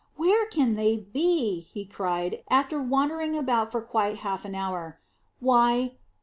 "Where can they be?" he cried, after wandering about for quite half an hour. "Why!